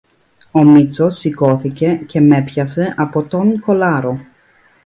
Ο Μήτσος σηκώθηκε και μ' έπιασε από τον κολάρο.